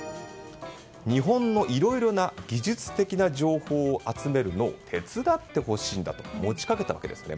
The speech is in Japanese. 日本のいろいろな技術的な情報を集めるのを手伝ってほしいんだと持ちかけたわけなんですね。